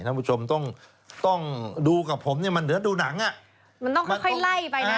ท่านผู้ชมต้องต้องดูกับผมเนี่ยมันเหนือดูหนังอ่ะมันต้องค่อยค่อยไล่ไปนะ